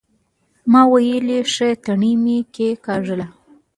ما ويلې ښه تڼۍ مې کېکاږله.